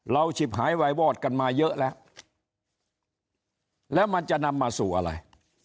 ฉิบหายไววอดกันมาเยอะแล้วแล้วมันจะนำมาสู่อะไร